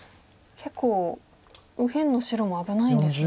結構右辺の白も危ないんですね。